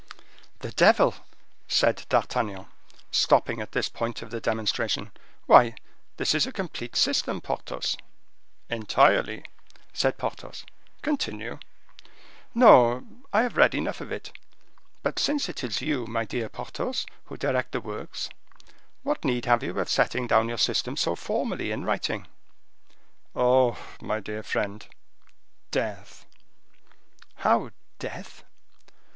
"The devil!" said D'Artagnan, stopping at this point of the demonstration; "why, this is a complete system, Porthos." "Entirely," said Porthos. "Continue." "No; I have read enough of it; but, since it is you, my dear Porthos, who direct the works, what need have you of setting down your system so formally in writing?" "Oh! my dear friend, death!" "How! death?"